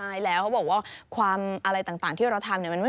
พวกว่าอะไรต่างที่เราทำ